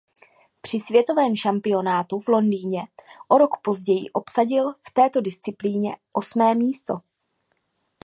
Při světovém šampionátu v Londýně o rok později obsadil v této disciplíně osmé místo.